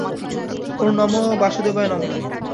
ওম নমো বাসুদেবায় নমো!